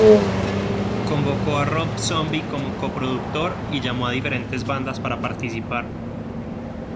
Convocó a Rob Zombie como co-productor, y llamó a diferentes bandas para participar.